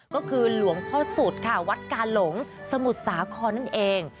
ก็คือหลวงพ่อสุดค่ะวัดกาหลงสมุทรสาครนั่นเอง